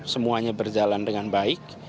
semuanya berjalan dengan baik